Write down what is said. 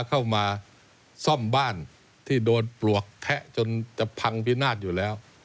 เข้ามาซ่อมบ้านที่โดนปลวกแพะจนจะพังพินาศอยู่แล้ว